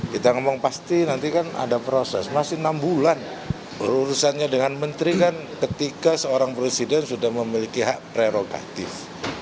kita ngomong pasti nanti kan ada proses masih enam bulan urusannya dengan menteri kan ketika seorang presiden sudah memiliki hak prerogatif